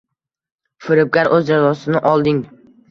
Firibgar o‘z jazosini olding